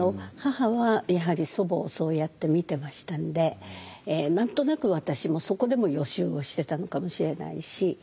母はやはり祖母をそうやって見てましたんで何となく私もそこでも予習をしてたのかもしれないし。